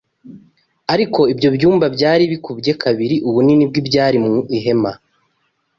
Ariko ibyo byumba byari bikubye kabiri ubunini bw’ibyari mu ihema